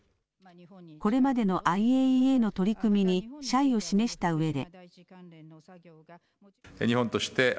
これまでのＩＡＥＡの取り組みに謝意を示したうえで。